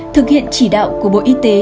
thực hiện chỉ đạo của bộ y tế